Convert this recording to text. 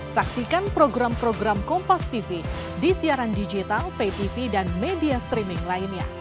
saksikan program program kompastv di siaran digital ptv dan media streaming lainnya